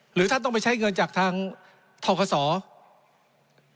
หรือท่านต้องไปใช้เงินจากทางทางทางกศปำเร็จ